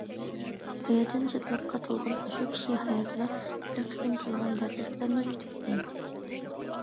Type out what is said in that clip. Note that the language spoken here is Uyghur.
ھاياجان، شادلىققا تولغان ئاشۇ كىشى ھاياتىدا بىر قېتىم كېلىدىغان دەقىقىلەرنى كۈتەتتى.